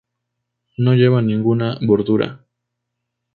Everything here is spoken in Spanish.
No lleva ninguna bordura.